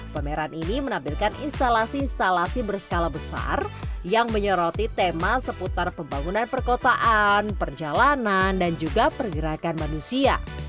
pameran ini menampilkan instalasi instalasi berskala besar yang menyoroti tema seputar pembangunan perkotaan perjalanan dan juga pergerakan manusia